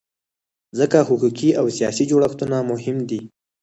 ځکه حقوقي او سیاسي جوړښتونه مهم دي.